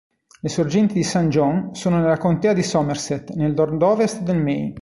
Le sorgenti del Saint John sono nella Contea di Somerset nel nord-ovest del Maine.